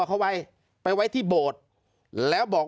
เจ้าหน้าที่แรงงานของไต้หวันบอก